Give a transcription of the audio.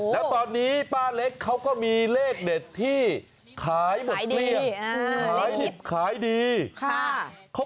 แล้วตอนนี้ป้าเล็กเขาก็มีเลขเด็ดที่ขายหมดเยี่ยม